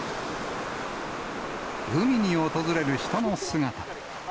海に訪れる人の姿が。